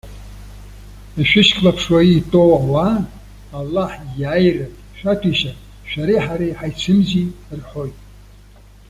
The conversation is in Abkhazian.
Ишәышьклаԥшуа итәоу ауаа, Аллаҳ иааирак шәаҭәеишьар, шәареи ҳареи ҳаицымзи!- рҳәоит.